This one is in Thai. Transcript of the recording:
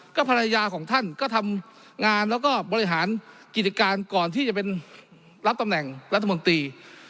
ภรรยาของท่านก็ทำงานแล้วก็บริหารกิจการก่อนที่จะเป็นรับตำแหน่งรัฐมนตรี